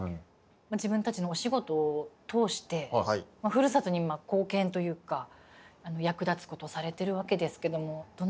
自分たちのお仕事を通してふるさとに今貢献というか役立つことされてるわけですけどもどんな気持ちですか？